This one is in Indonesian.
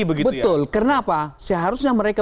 betul kenapa seharusnya mereka